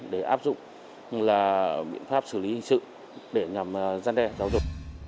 để áp dụng là biện pháp xử lý hình sự để ngầm gian đe giáo dục